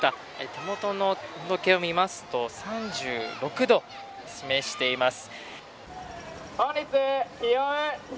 手元の温度計を見ますと３６度を示しています。